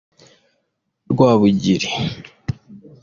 Rwabugiri